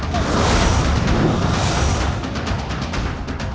tolong tidak tidak tidak